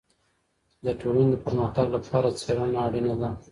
د ټولني د پرمختګ لپاره څېړنه اړینه ده.